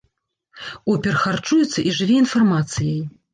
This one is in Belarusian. Опер харчуецца і жыве інфармацыяй.